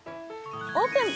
オープン！